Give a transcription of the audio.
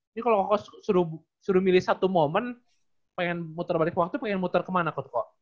ini kalo koko suruh milih satu moment pengen muter balik waktu pengen muter kemana kok tuh kok